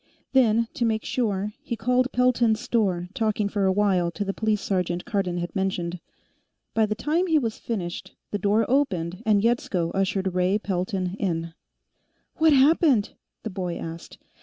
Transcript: Then, to make sure, he called Pelton's store, talking for a while to the police sergeant Cardon had mentioned. By the time he was finished, the door opened and Yetsko ushered Ray Pelton in. "What's happened?" the boy asked.